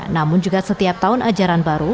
namun juga setiap tahun ajaran baru